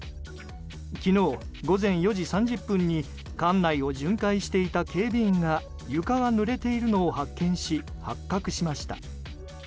昨日午前４時３０分に館内を巡回していた警備員が床がぬれているのを発見し発覚しました。